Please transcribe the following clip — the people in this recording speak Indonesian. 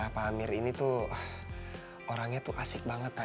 pak amir ini tuh orangnya tuh asik banget